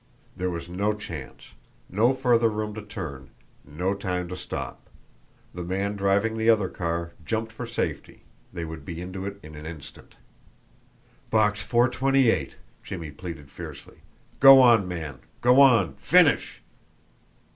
There was no chance, no further room to turn, no time to stop the man driving the other car jumped for safety they would be into it in an instant. "Box 428!" Jimmie pleaded fiercely. "Go on, man! Go on! FINISH!"